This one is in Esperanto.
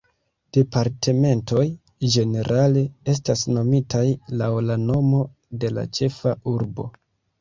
Departementoj, ĝenerale, estas nomitaj laŭ la nomo de la ĉefa urbo.